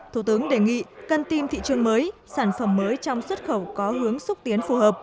thủ tướng đề nghị cần tìm thị trường mới sản phẩm mới trong xuất khẩu có hướng xúc tiến phù hợp